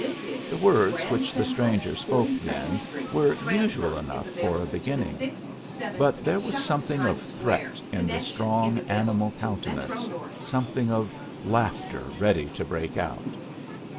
The words which the stranger spoke then were usual enough for a beginning. But there was something of threat in the strong animal countenance, something of laughter ready to break out.